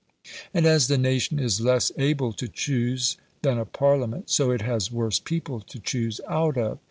And, as the nation is less able to choose than a Parliament, so it has worse people to choose out of.